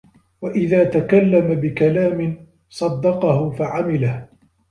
وَإِذَا تَكَلَّمَ بِكَلَامٍ صَدَّقَهُ فَعَمِلَهُ